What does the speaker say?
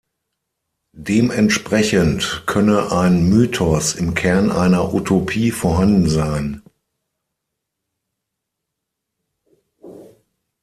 Dementsprechend könne ein Mythos im Kern einer Utopie vorhanden sein.